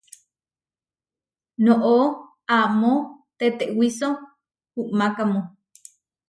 Noʼó amó tetewíso uʼmákamu.